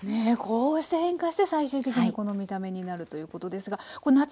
こうして変化して最終的にこの見た目になるということですが夏